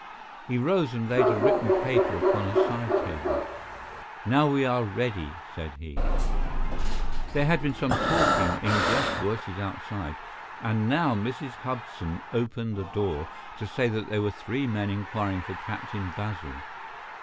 He rose and laid a written paper upon a side table. "Now we are ready," said he. There had been some talking in gruff voices outside, and now Mrs. Hudson opened the door to say that there were three men inquiring for Captain Basil.